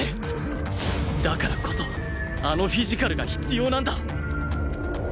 だからこそあのフィジカルが必要なんだ！